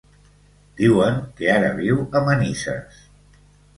Diuen que ara viu a Manises.